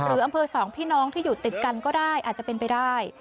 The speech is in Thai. อำเภอสองพี่น้องที่อยู่ติดกันก็ได้อาจจะเป็นไปได้